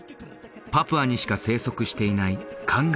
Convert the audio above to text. パプアにしか生息していない